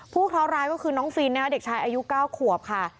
ผู้เค้าร้ายก็คือน้องฟินเด็กชายอายุ๙ขวบค่ะ